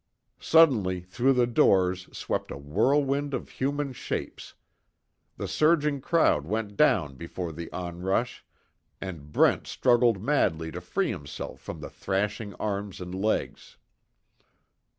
Suddenly through the doors swept a whirlwind of human shapes! The surging crowd went down before the onrush, and Brent struggled madly to free himself from the thrashing arms and legs.